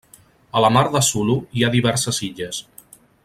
A la mar de Sulu hi ha diverses illes.